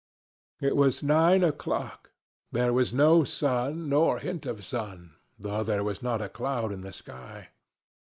It was nine o'clock. There was no sun nor hint of sun, though there was not a cloud in the sky.